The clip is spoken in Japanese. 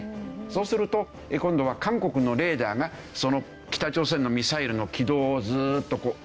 そうすると今度は韓国のレーダーがその北朝鮮のミサイルの軌道をずっと捉えていくわけですね。